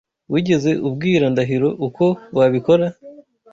Wigeze ubwira Ndahiro uko wabikora?